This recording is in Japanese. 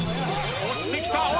押してきた。